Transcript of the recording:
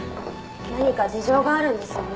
何か事情があるんですよね。